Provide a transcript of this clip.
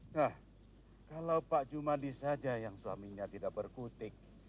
nah kalau pak jumandi saja yang suaminya tidak berkutik